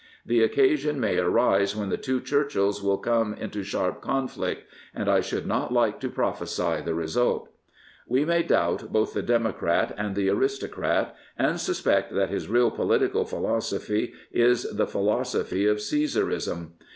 The occasion may arise when the two Churchills will come into sharp conflict, and I should not like to prophesy the result." We may doubt both the democrat and the aristocrat, and suspect that his real political philosophy is the philosophy of Caesarism.